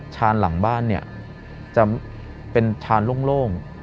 ชานหลังบ้านจะเป็นชานโล่ง